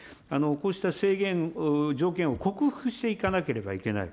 こうした制限を、条件を克服していかなければいけない。